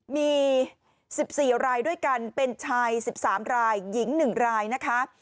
มี๑๔รายด้วยกันเป็นชาย๑๓รายหญิง๑รายนะคะ